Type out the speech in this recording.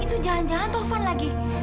itu jangan jangan tovan lagi